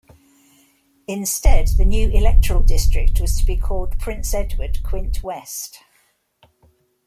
Instead, the new electoral district was to be called Prince Edward-Quinte West.